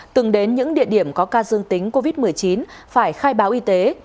từng đến những địa điểm có ca dương tính covid một mươi chín phải khai báo y tế